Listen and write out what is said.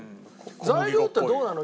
材料ってどうなの？